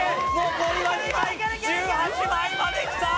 残りは２枚１８枚まできた！